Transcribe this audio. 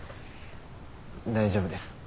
大丈夫です。